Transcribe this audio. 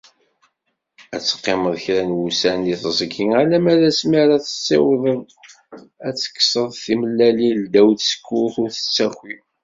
Ad teqqimeḍ kra n wussan di teẓgi alama d asmi ara tessiwḍeḍ ad d-tekkseḍ timellalin ddaw tsekkurt ur tettaki.